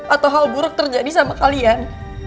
atau hal buruk terjadi sama kalian